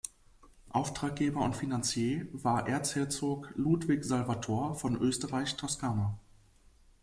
Auftraggeber und Finanzier war Erzherzog Ludwig Salvator von Österreich-Toskana.